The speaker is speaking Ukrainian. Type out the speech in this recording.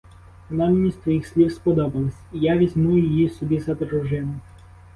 Вона мені з твоїх слів сподобалась, і я візьму її собі за дружину.